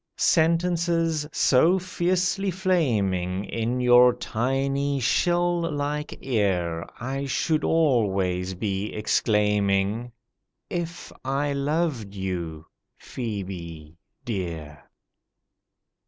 Sentences so fiercely flaming In your tiny shell like ear, I should always be exclaiming If I loved you, PHŒBE dear.